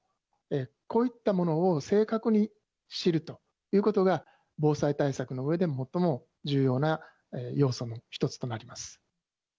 こういったものを正確に知るということが、防災対策のうえでも最も重要な要素の一つとなります。